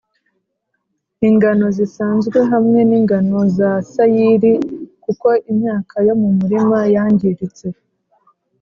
ingano zisanzwe hamwe n ingano za sayiri kuko imyaka yo mu murima yangiritse